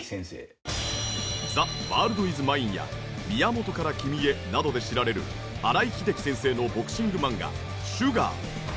『ザ・ワールド・イズ・マイン』や『宮本から君へ』などで知られる新井英樹先生のボクシング漫画『ＳＵＧＡＲ』。